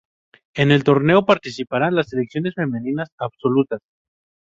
En el torneo participarán las selecciones femeninas absolutas.